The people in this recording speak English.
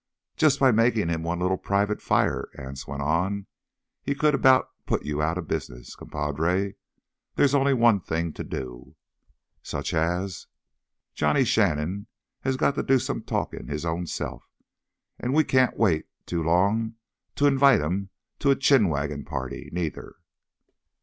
"Jus' by makin' him one little private fire," Anse went on, "he could about put you outta business, compadre. There's only one thing to do." "Such as?" "Johnny Shannon has got to do some talkin' his ownself. An' we can't wait too long to invite him to a chin waggin' party, neither!"